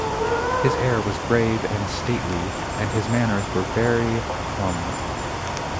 His air was grave and stately, and his manners were very formal.